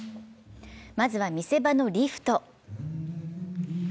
まずは見せ場のリフト。